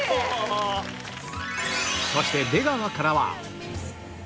そして出川からは